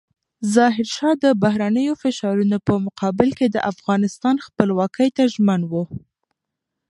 ظاهرشاه د بهرنیو فشارونو په مقابل کې د افغانستان خپلواکۍ ته ژمن و.